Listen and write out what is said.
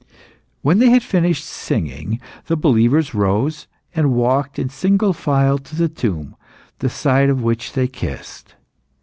When they had finished singing, the believers rose, and walked in single file to the tomb, the side of which they kissed.